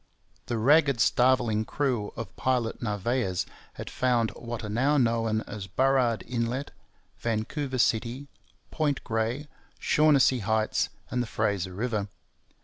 The ragged starveling crew of Pilot Narvaez had found what are now known as Burrard Inlet, Vancouver City, Point Grey, Shaughnessy Heights, and the Fraser River.